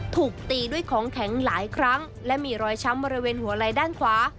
ถูกตีด้วยของแข็งหลายครั้งและมีรอยช้ำบริเวณหัวไหลด้านขวา